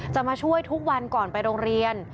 จะมาช่วยทุกวันก่อนไปโรงเรียน